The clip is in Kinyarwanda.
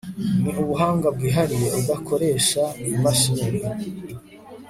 ni ubuhanga bwihariye udakoresha imashini